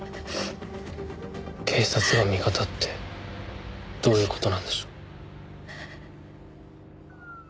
警察が味方ってどういう事なんでしょう？